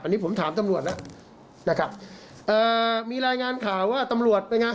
อันนี้ผมถามตำรวจแล้วนะครับเอ่อมีรายงานข่าวว่าตำรวจเป็นไง